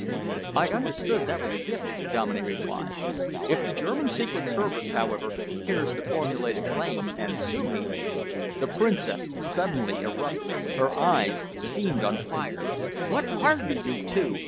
"I understood that was a gift," Dominey replied. "If the German Secret Service, however, cares to formulate a claim and sue me " The Princess suddenly interrupted. Her eyes seemed on fire. "What are you, you two?"